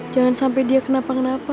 jangan sampai dia kenapa kenapa